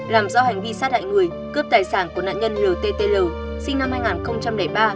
làm rõ hành vi sát hại người cướp tài sản của nạn nhân lt sinh năm hai nghìn ba